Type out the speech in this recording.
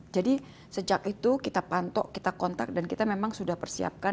jadi sejak itu kita pantok kita kontak dan kita memang sudah persiapkan